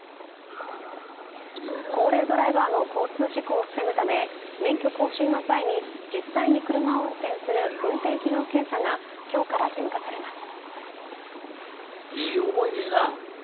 高齢ドライバーの交通事故を防ぐため免許更新の際に実際に車を運転する運転機能検査が今日から義務化されます。